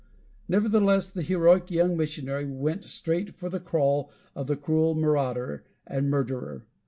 Nevertheless, the heroic young missionary went straight for the kraal of the cruel marauder and murderer.